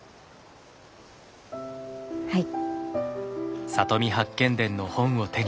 はい。